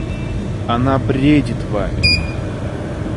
Она бредит вами.